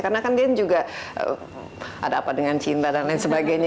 karena kan dian juga ada apa dengan cinta dan lain sebagainya